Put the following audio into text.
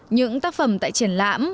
những tác phẩm tại triển lãm